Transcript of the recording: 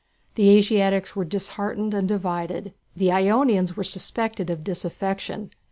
The Asiatics were disheartened and divided. The Ionians were suspected of disaffection.